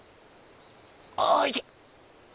あいてっ！